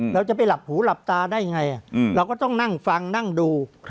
เราจะไปหลับหูหลับตาได้ไงเราก็ต้องนั่งฟังนั่งดู